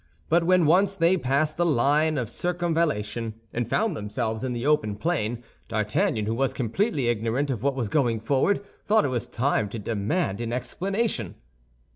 But when once they passed the line of circumvallation and found themselves in the open plain, D'Artagnan, who was completely ignorant of what was going forward, thought it was time to demand an explanation.